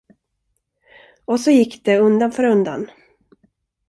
Och så gick det undan för undan.